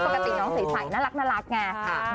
ปกติน้องใสน่ารักไง